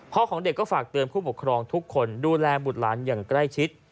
ของเด็กก็ฝากเตือนผู้ปกครองทุกคนดูแลบุตรหลานอย่างใกล้ชิด